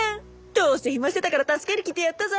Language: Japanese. どうせ暇してたから助けに来てやったぞ！